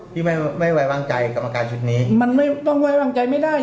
ที่ไม่ไม่ไว้วางใจกรรมการชุดนี้มันไม่ต้องไว้วางใจไม่ได้